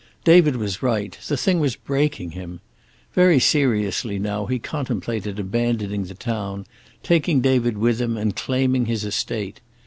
David was right, the thing was breaking him. Very seriously now he contemplated abandoning the town, taking David with him, and claiming his estate.